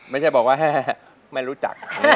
ไม่ใช่บอกว่าไม่รู้จัก